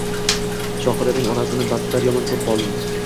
Shohidaning onasini battar yomon ko‘rib qoldim